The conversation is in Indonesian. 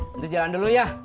terus jalan dulu ya